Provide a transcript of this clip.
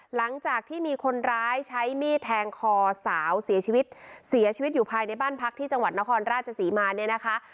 หลังจากที่มีคนร้ายใช้มีดแทงคอสาวเสียชีวิตเสียชีวิตเสียชีวิตเสียชีวิตอยู่ภายในบ้านพักที่จังหวัดนครราชศรีมาเนี่ยนะคะ